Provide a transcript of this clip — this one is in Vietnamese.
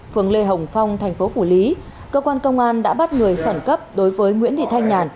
phường lê hồng phong tp phủ lý cơ quan công an đã bắt người phẩn cấp đối với nguyễn thị thanh nhàn